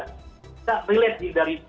kita relate di dari